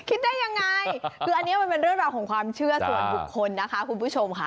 คิดได้ยังไงคืออันนี้มันเป็นเรื่องราวของความเชื่อส่วนบุคคลนะคะคุณผู้ชมค่ะ